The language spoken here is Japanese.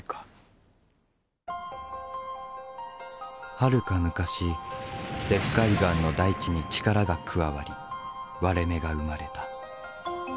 はるか昔石灰岩の大地に力が加わり割れ目が生まれた。